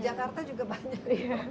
di jakarta juga banyak